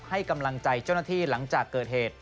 ให้กำลังใจเจ้าหน้าที่หลังจากเกิดเหตุ